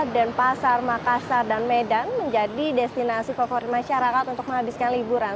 dan pasar makassar dan medan menjadi destinasi favorit masyarakat untuk menghabiskan liburan